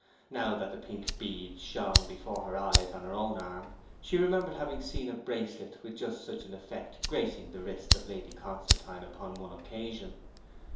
Now that the pink beads shone before her eyes on her own arm she remembered having seen a bracelet with just such an effect gracing the wrist of Lady Constantine upon one occasion.